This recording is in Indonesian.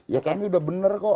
ya kami udah benar kok